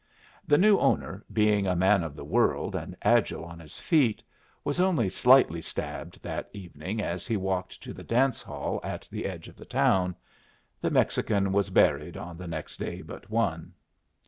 The new owner, being a man of the world and agile on his feet, was only slightly stabbed that evening as he walked to the dance hall at the edge of the town. The Mexican was buried on the next day but one.